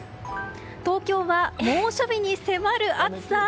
東京は猛暑日に迫る暑さ。